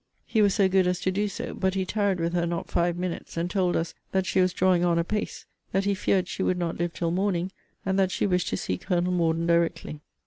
He was so good as to do so; but he tarried with her not five minutes; and told us, that she was drawing on apace; that he feared she would not live till morning; and that she wished to see Colonel Morden directly.